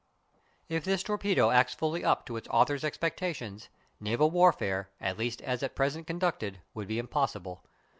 _ If this torpedo acts fully up to its author's expectations, naval warfare, at least as at present conducted, will be impossible.